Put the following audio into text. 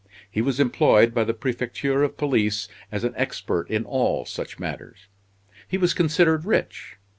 He was employed by the Prefecture of Police as an expert in all such matters. He was considered rich.